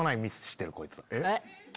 えっ？